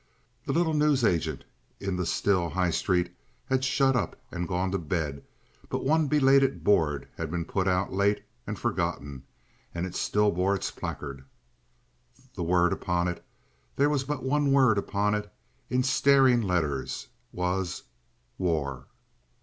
The little newsagent in the still High Street had shut up and gone to bed, but one belated board had been put out late and forgotten, and it still bore its placard. The word upon it—there was but one word upon it in staring letters—was: "WAR."